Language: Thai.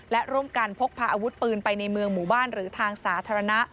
และร่วมกันพกพาอาวุธปืนไปในเมืองหมู่บ้านหรือทางสาธารณะ